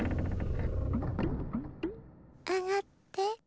あがって。